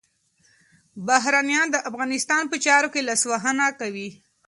بهرنیان د افغانستان په چارو کي لاسوهنه کوي.